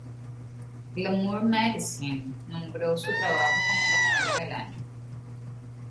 Glamour Magazine nombró su trabajo como campaña del año.